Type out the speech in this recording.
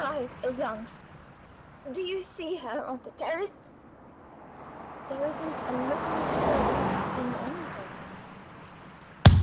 Your eyes are young do you see her on the terrace?" "There isn't a living soul to be seen anywhere."